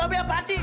eh be apaan sih